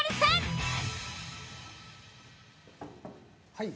はい。